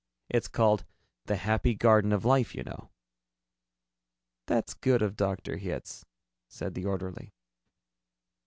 "It's called 'The Happy Garden of Life,' you know." "That's good of Dr. Hitz," said the orderly.